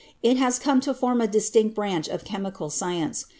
It has come to form a distinct branch of chem ical science.